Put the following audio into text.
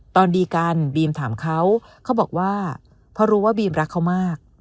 ตอนดีกันบีมถามเขาเขาบอกว่าเพราะรู้ว่าบีมรักเขามาก